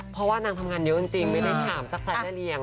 เพราะว่านางทำงานเยอะจริงไม่ได้ถามซักไซส์แม่เลี้ยง